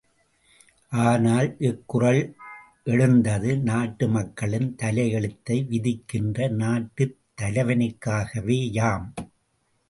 ஆனால், இக்குறள் எழுந்தது, நாட்டு மக்களின் தலையெழுத்தை விதிக்கின்ற நாட்டுத் தலைவனுக்காகவே யாம்.